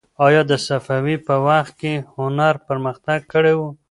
آیا د صفویانو په وخت کې هنر پرمختګ کړی و؟